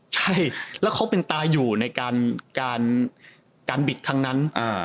ใช่แล้วเขาเป็นตาอยู่ในการบิดครั้งนั้น